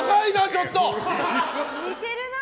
ちょっと！